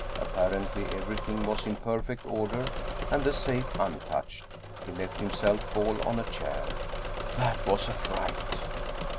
Apparently everything was in perfect order and the safe untouched. He let himself fall on a chair. " That was a fright!"